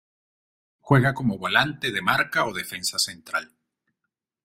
Juega como volante de marca o defensa central.